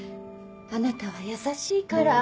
あなたは優しいから。